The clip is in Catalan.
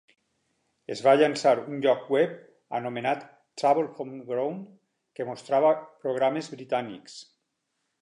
Es va llançar un lloc web anomenat "Trouble Homegrown" que mostrava programes britànics.